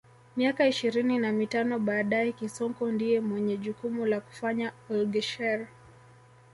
Miaka ishirini na mitano baadae Kisonko ndiye mwenye jukumu la kufanya olghesher